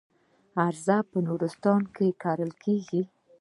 ارزن په نورستان کې کرل کیږي.